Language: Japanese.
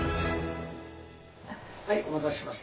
はいお待たせしました。